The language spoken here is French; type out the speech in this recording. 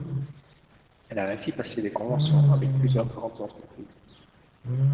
Elle a ainsi passé des conventions avec plusieurs grandes entreprises.